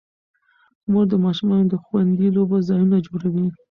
مور د ماشومانو د خوندي لوبو ځایونه جوړوي.